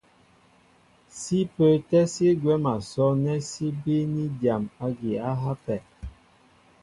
Sí pə́ə́tɛ́ sí gwɛ̌m a sɔ́' nɛ́ sí bííní dyam ági á hápɛ.